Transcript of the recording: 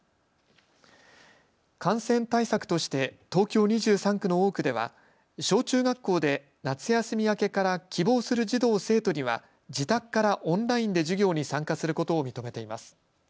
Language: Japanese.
感染対策として東京２３区の多くでは小中学校で夏休み明けから希望する児童生徒には自宅からオンラインで授業に参加することを認めています。